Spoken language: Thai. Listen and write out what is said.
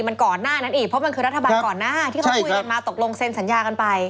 มันก่อนหน้านั้นอีกเพราะมันคือรัฐบาลก่อนหน้าที่เขาคุยกันมาตกลงเซ็นสัญญากันไป